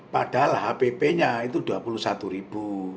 padahal hpp nya itu rp dua puluh satu ribu